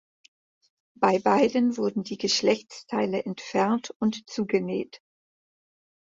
Bei beiden wurden die Geschlechtsteile entfernt und zugenäht.